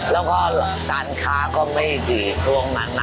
แล้วก็การค้าก็ไม่ดีช่วงนั้นนะ